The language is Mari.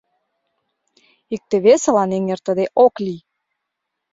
Икте-весылан эҥертыде ок лий.